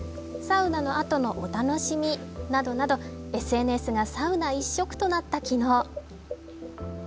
サウナの後のお楽しみなどなどＳＮＳがサウナ一色となった昨日。